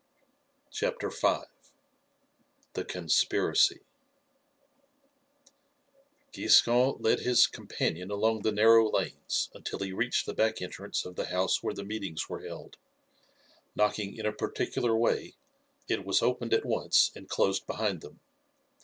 CHAPTER V: THE CONSPIRACY Giscon led his companion along the narrow lanes until he reached the back entrance of the house where the meetings were held. Knocking in a particular way it was opened at once and closed behind them.